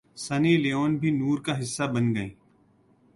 سنی Leone بھی نور کا حصہ بن گئیں